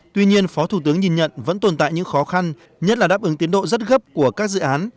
tuy nhiên phó thủ tướng nhìn nhận vẫn tồn tại những khó khăn nhất là đáp ứng tiến độ rất gấp của các dự án